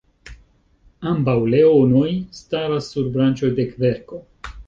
Ambaŭ leonoj staras sur branĉoj de kverko.